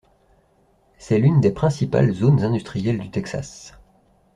C'est l'une des principales zones industrielles du Texas.